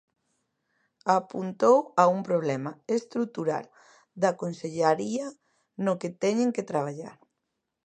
Apuntou a un problema "estrutural" da Consellaría no que "teñen que traballar".